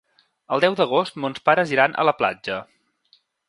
El deu d'agost mons pares iran a la platja.